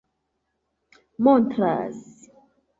montras